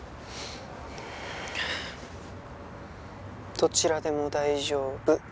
「どちらでも大丈夫。